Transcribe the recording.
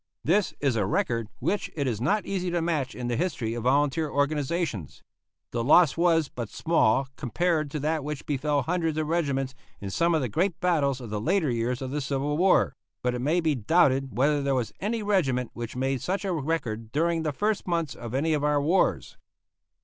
This is a record which it is not easy to match in the history of volunteer organizations. The loss was but small compared to that which befell hundreds of regiments in some of the great battles of the later years of the Civil War; but it may be doubted whether there was any regiment which made such a record during the first months of any of our wars.